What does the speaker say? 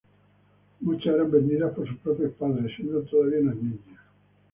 Muchas eran vendidas por sus propios padres siendo todavía unas niñas.